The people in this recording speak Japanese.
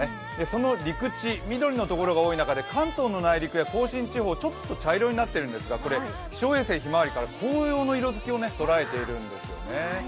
その陸地、緑のところが多い中で関東の内陸や甲信地方、ちょっと茶色くなってるんですがこれ気象衛星ひまわりから紅葉の色づきを捉えているんですよね。